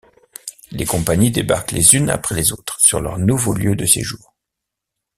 Les compagnies débarquent les unes après les autres sur leur nouveau lieu de séjour.